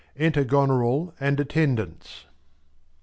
Enter Goneril and Attendants.